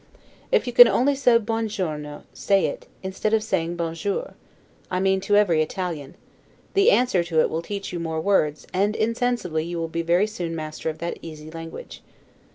If you can only say 'buon giorno', say it, instead of saying 'bon jour', I mean to every Italian; the answer to it will teach you more words, and insensibly you will be very soon master of that easy language.